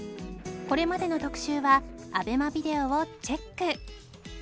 これまでの特集は ＡＢＥＭＡ ビデオをチェック